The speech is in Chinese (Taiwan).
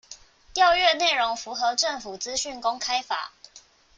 調閱內容符合政府資訊公開法